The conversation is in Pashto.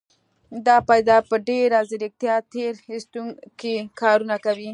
دا پديده په ډېره ځيرکتيا تېر ايستونکي کارونه کوي.